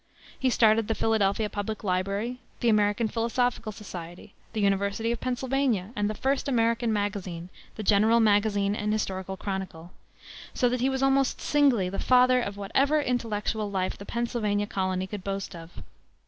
He started the Philadelphia public library, the American Philosophical Society, the University of Pennsylvania, and the first American magazine, The General Magazine and Historical Chronicle; so that he was almost singly the father of whatever intellectual life the Pennsylvania colony could boast of.